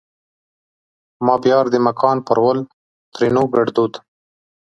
ما پیار دې مکان پرول؛ ترينو کړدود